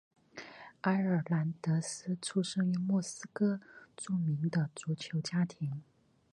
埃尔南德斯出生于墨西哥著名的足球家庭。